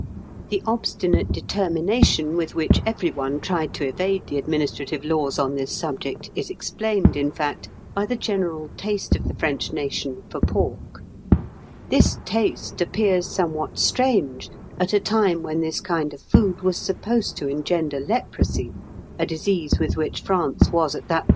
The obstinate determination with which every one tried to evade the administrative laws on this subject, is explained, in fact, by the general taste of the French nation for pork. This taste appears somewhat strange at a time when this kind of food was supposed to engender leprosy, a disease with which France was at that time overrun. [Illustration: Fig. 86.